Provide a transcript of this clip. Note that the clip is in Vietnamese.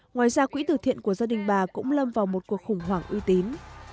ngoài ra quỹ từ thiện của gia đình bà cũng lâm vào một cuộc khủng hoảng uy tín